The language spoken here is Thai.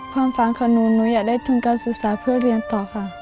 ความฝันของหนูหนูอยากได้ทุนการศึกษาเพื่อเรียนต่อค่ะ